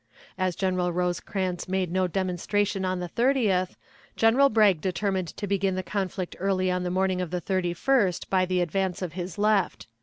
As General Rosecrans made no demonstration on the 30th, General Bragg determined to begin the conflict early on the morning of the 31st by the advance of his left.